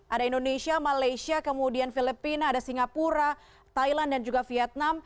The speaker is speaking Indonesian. ada indonesia malaysia kemudian filipina ada singapura thailand dan juga vietnam